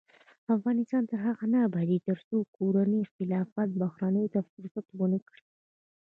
افغانستان تر هغو نه ابادیږي، ترڅو کورني اختلافات بهرنیو ته فرصت ورنکړي.